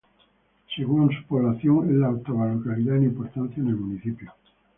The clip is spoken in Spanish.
Según su población es la octava localidad en importancia en el municipio.